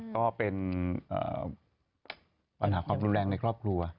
ก็เป็นปัญหาความรุนแรงในครอบครัว